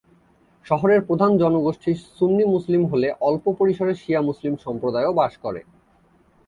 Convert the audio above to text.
শহরের প্রধান জনগোষ্ঠী সুন্নি মুসলিম হলে অল্প পরিসরে শিয়া মুসলিম সম্প্রদায়ও বাস করে।